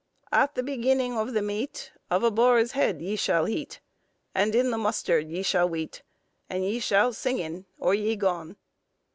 "At the begynnyng of the mete, Of a borys hed ye schal hete, And in the mustard ye shal wete; And ye shal syngyn or ye gon."